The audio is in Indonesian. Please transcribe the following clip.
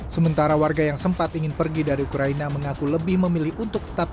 sementara warga yang sempat ingin pergi dari ukraina mengaku lebih memilih untuk tetap